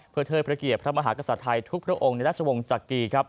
เพื่อเทิดพระเกียรติพระมหากษัตริย์ไทยทุกพระองค์ในราชวงศ์จักรีครับ